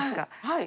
はい。